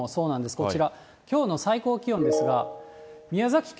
こちら、きょうの最高気温ですが、宮崎県。